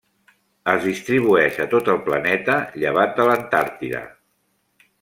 Es distribueix a tot el planeta llevat de l'Antàrtida.